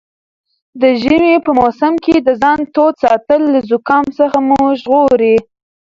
د ژمي په موسم کې د ځان تود ساتل له زکام څخه مو ژغوري.